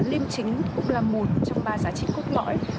liêm chính cũng là một trong ba giá trị cốt lõi